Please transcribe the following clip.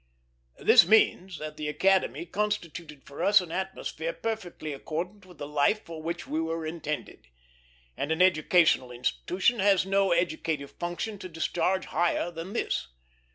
This means that the Academy constituted for us an atmosphere perfectly accordant with the life for which we were intended; and an educational institution has no educative function to discharge higher than this.